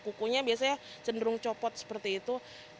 kukunya biasanya cenderung copot seperti itu